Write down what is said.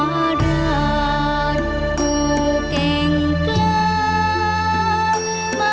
มหารักภูเข็งคลับ